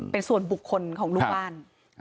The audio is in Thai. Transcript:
เป็นส่วนบุคคลของลูกบ้าน